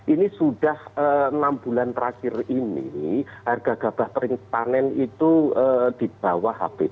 ini sudah enam bulan terakhir ini harga gabah peringpanan itu dibawah